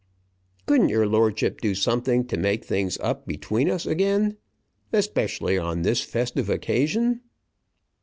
Couldn't your lordship do something to make things up between us again, especially on this festive occasion?